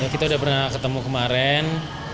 kita udah pernah ketemu kemarin